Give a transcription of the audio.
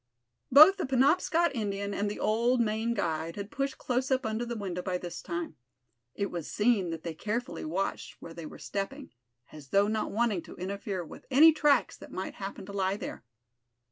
Both the Penobscot Indian and the old Maine guide had pushed close up under the window by this time. It was seen that they carefully watched where they were stepping, as though not wanting to interfere with any tracks that might happen to lie there.